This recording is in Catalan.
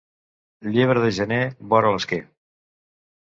Llebre de gener, vora l'esquer.